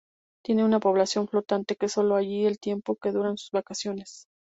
Tiene una población flotante que sólo está allí el tiempo que duran sus vacaciones.